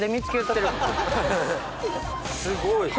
すごい。